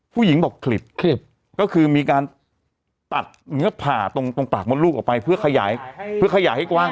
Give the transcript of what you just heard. ผู้หญิงบอกคลิปก็คือมีการตัดเนื้อผ่าตรงปากมดลูกออกไปเพื่อขยายเพื่อขยายให้กว้าง